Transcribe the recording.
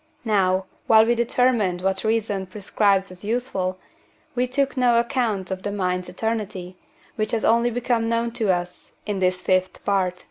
Now, while we determined what reason prescribes as useful, we took no account of the mind's eternity, which has only become known to us in this Fifth Part.